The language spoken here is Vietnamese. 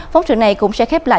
phóng trưởng này cũng sẽ khép lại